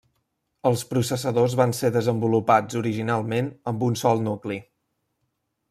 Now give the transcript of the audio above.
Els processadors van ser desenvolupats originalment amb un sol nucli.